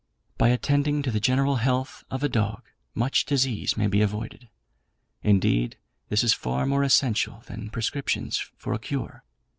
"By attending to the general health of a dog, much disease may be avoided; indeed, this is far more essential than prescriptions for a cure.